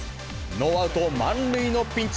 ノーアウト満塁のピンチ。